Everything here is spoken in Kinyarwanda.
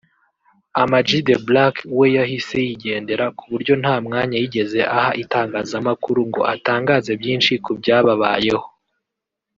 Amag The Black we yahise yigendera kuburyo nta mwanya yigeze aha itangazamakuru ngo atangaze byinshi kubyababayeho